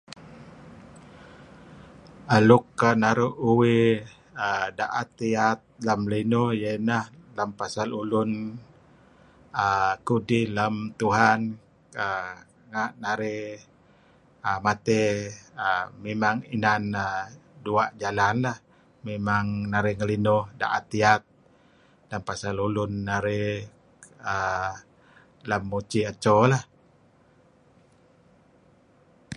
Aaa... luk ke... naru' uih aaa... da'et iat lem linuh ieh ineh lem pasal ulun aaa... kudih lem Tuhan nga' narih aaa... matey. Aaa... mimang inan aaa... dueh dalan lah. Mimang narih aaa... da'et iat ngelinuh ulun narih lem mucih eco lah.